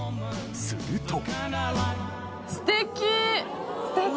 すると。